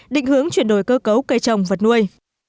định hướng chuyển đổi cơ cấu cây trồng vật nuôi